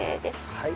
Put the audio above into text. はい。